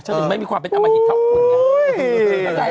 ถึงไม่มีความเป็นอมหิตเท่าคุณไง